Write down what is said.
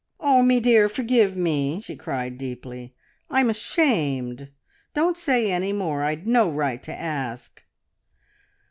"Oh, me dear, forgive me!" she cried deeply. "I'm ashamed. Don't say any more. I'd no right to ask."